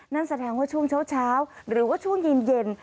นั่นแสดงว่าช่วงเช้าหรือว่าช่วงเย็น